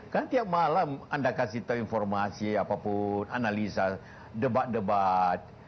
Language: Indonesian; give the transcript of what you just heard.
kan tiap malam anda kasih tahu informasi apapun analisa debat debat